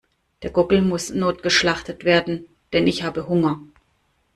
Der Gockel muss notgeschlachtet werden, denn ich habe Hunger.